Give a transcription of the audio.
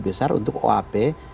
besar untuk oap